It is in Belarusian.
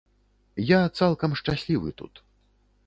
Я цалкам шчаслівы тут.